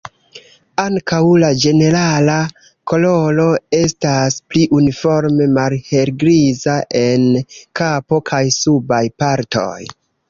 Ankaŭ la ĝenerala koloro estas pli uniforme malhelgriza en kapo kaj subaj partoj.